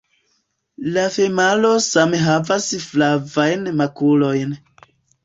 La femalo same havas flavajn makulojn.